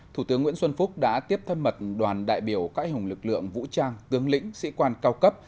thủ tướng nguyễn xuân phúc đã tiếp thân mật đoàn đại biểu cãi hùng lực lượng vũ trang tướng lĩnh sĩ quan cao cấp